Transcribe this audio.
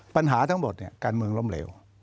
ปัญหาทั้งหมดเนี่ยการเมืองล้มเหลว